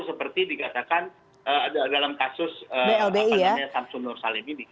seperti dikatakan dalam kasus samsul nur salim ini